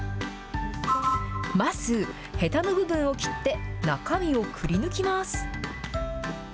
まず、へたの部分を切って、中身をくりぬきます。